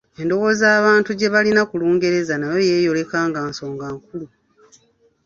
Endowooza abantu gye balina ku Lungereza nayo yeeyoleka nga nsonga nkulu.